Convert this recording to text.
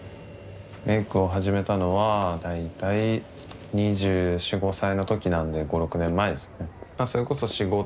メイクを始めたのは大体２４２５歳のときなんで５６年前ですね。